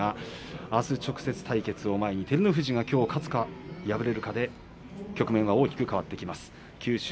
あす、直接対決を前に照ノ富士が勝つか負けるかで局面が大きく変わってくると思います。